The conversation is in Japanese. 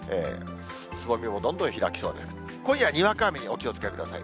つぼみもどんどん開きそうで、今夜、にわか雨にお気をつけください。